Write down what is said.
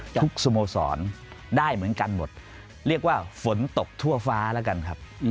สโมสรได้เหมือนกันหมดเรียกว่าฝนตกทั่วฟ้าแล้วกันครับ